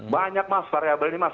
banyak mas variabelnya mas